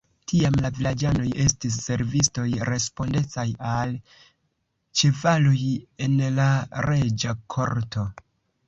Tiam la vilaĝanoj estis servistoj respondecaj al ĉevaloj en la reĝa korto.